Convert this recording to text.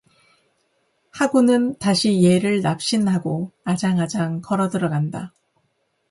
하고는 다시 예를 납신 하고 아장아장 걸어들어간다.